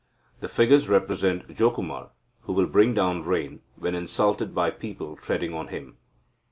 The figures represent Jokumara, who will bring down rain, when insulted by people treading on him.